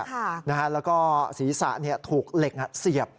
แล้วก็ศีรษะถูกเหล็กเสียบ